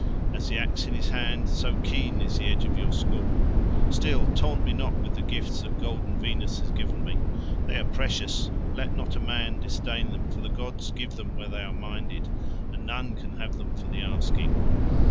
As the axe in his hand, so keen is the edge of your scorn. Still, taunt me not with the gifts that golden Venus has given me; they are precious; let not a man disdain them, for the gods give them where they are minded, and none can have them for the asking.